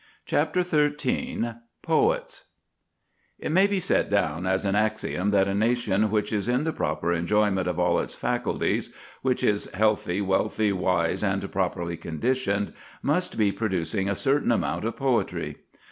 CHAPTER XI POETS It may be set down as an axiom that a nation which is in the proper enjoyment of all its faculties, which is healthy, wealthy, wise, and properly conditioned, must be producing a certain amount of poetry.